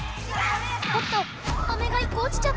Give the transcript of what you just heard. おっとアメが１個落ちちゃた！